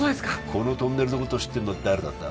このトンネルのことを知ってるのは誰だった？